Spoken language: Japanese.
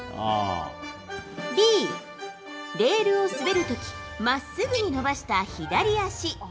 Ｂ、レールを滑る時真っすぐに伸ばした左足。